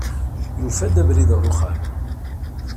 Yufa-d abrid ɣer uxxam.